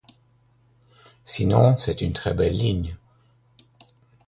Sinon, c’est une très belle ligne.